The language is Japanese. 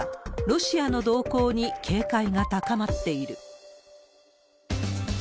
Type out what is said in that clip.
ロシアの動向に警戒が高まっている。